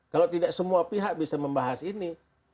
kalau tidak semua pihak bisa membahas ini